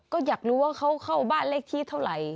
ก็อยากรู้ว่าเขาเข้าบ้านเลขที่เท่าไหร่